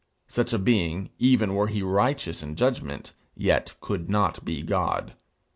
Such a being, even were he righteous in judgment, yet could not be God.